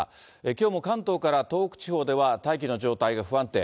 きょうも関東から東北地方では、大気の状態が不安定。